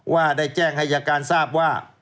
ว่าได้แจ้งให้ยาการทราบว่า